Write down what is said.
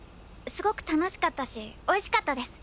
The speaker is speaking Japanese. すごく楽しかったし美味しかったです。